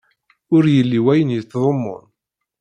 Ur yelli wayen yettdumun.